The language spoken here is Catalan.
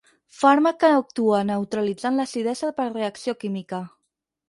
Fàrmac que actua neutralitzant l'acidesa per reacció química.